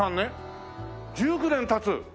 １９年経つ？